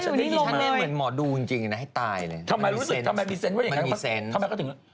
เออฉันไม่เหมือนหมอดูจริงนะให้ตายเลยมันมีเซนต์มันมีเซนต์มันมีเซนต์ทำไมรู้สึกทำไมมีเซนต์ไว้อย่างนั้น